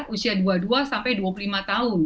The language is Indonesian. usia dua puluh dua sampai dua puluh lima tahun